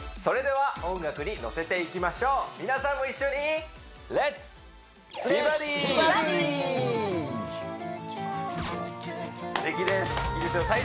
それでは音楽にのせていきましょう皆さんも一緒に素敵ですいいですよ